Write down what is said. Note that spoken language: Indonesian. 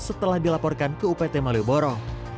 setelah dilaporkan ke upt malioboro